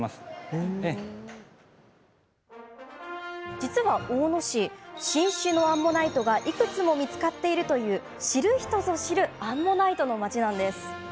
実は、大野市新種のアンモナイトがいくつも見つかっているという知る人ぞ知るアンモナイトの町なんです。